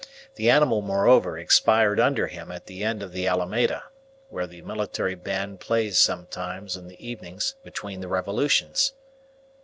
The animal, moreover, expired under him at the end of the Alameda, where the military band plays sometimes in the evenings between the revolutions.